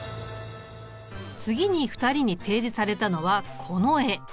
次に２人に提示されたのはこの絵。